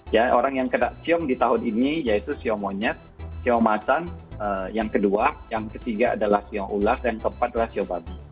ya orang yang kena cok di tahun ini yaitu siomonyet siomacan yang kedua yang ketiga adalah siomulas dan keempat adalah sioban